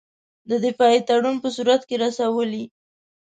د دفاعي تړون په صورت کې رسولای.